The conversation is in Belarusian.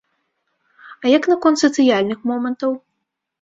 А як наконт сацыяльных момантаў?